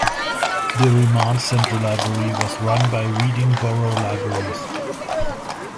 The remand centre library was run by Reading Borough Libraries.